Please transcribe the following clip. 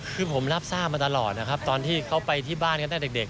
คือผมรับทราบมาตลอดนะครับตอนที่เขาไปที่บ้านกันตั้งแต่เด็ก